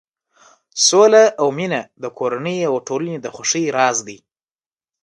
سوله او مینه د کورنۍ او ټولنې د خوښۍ راز دی.